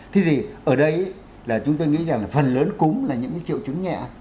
thế thì ở đây là chúng tôi nghĩ rằng là phần lớn cúng là những cái triệu chứng nhẹ